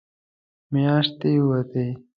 مياشتې ووتې.